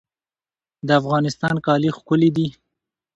د افغانستان کالي ښکلي دي